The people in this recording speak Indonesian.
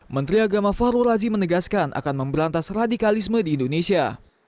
menteri agama fahrul razi menegaskan akan memberantas radikalisme di indonesia